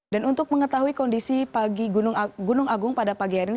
dan untuk mengetahui kondisi gunung agung pada pagi hari ini